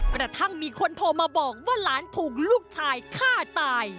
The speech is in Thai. กระทั่งมีคนโทรมาบอกว่าหลานถูกลูกชายฆ่าตาย